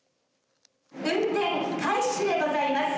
運転開始でございます。